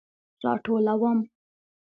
راټولوم